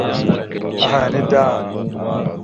Aha ene da.